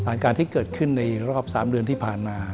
สถานการณ์ที่เกิดขึ้นในรอบ๓เดือนที่ผ่านมา